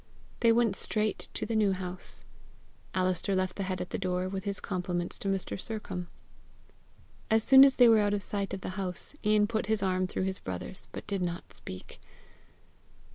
They went straight to the New House. Alister left the head at the door, with his compliments to Mr. Sercombe. As soon as they were out of sight of the house, Ian put his arm through his brother's, but did not speak.